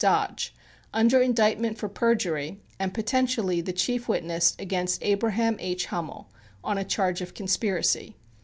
Dodge, under indictment for perjury, and potentially the chief witness against Abraham H. Hummel, on a charge of conspiracy.